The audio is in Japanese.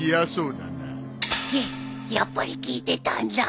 げっやっぱり聞いてたんだ